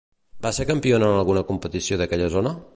Va ser campiona en alguna competició d'aquella zona?